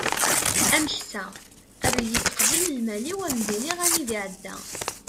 ameksa err-iyi-d qbel lmal-iw ad am-d-inin anida iεedda